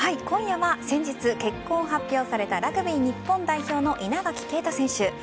今夜は、先日結婚を発表されたラグビー日本代表の稲垣啓太選手。